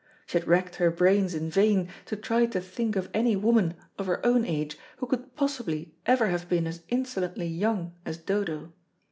She had racked her brains in vain to try to think of any woman of her own age who could possibly ever have been as insolently young as Dodo.